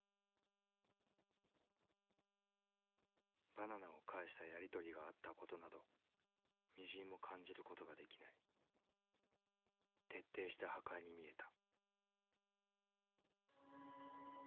バナナを介したやり取りがあった事などみじんも感じる事ができない徹底した破壊に見えた。